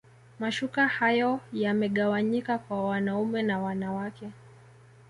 mashuka hayo yamegawanyika kwa wanaume na wanawake